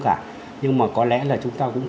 cả nhưng mà có lẽ là chúng ta cũng